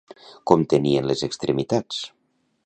Com tenien les extremitats?